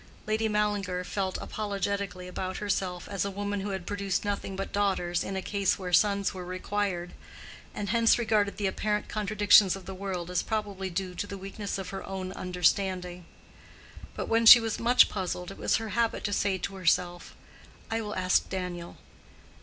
Lady Mallinger felt apologetically about herself as a woman who had produced nothing but daughters in a case where sons were required, and hence regarded the apparent contradictions of the world as probably due to the weakness of her own understanding. But when she was much puzzled, it was her habit to say to herself, "I will ask Daniel."